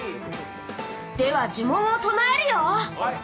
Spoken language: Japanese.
では呪文を唱えるよ。